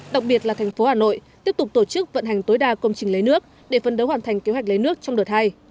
đặc biệt là thành phố hà nội tiếp tục tổ chức vận hành tối đa công trình lấy nước để phân đấu hoàn thành kế hoạch lấy nước trong đợt hai